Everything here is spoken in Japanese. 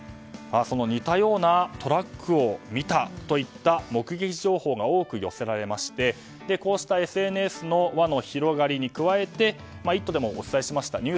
似たようなトラックを見たといった目撃情報が多く寄せられましてこうしたＳＮＳの輪の広がりに加えて「イット！」でもお伝えしました。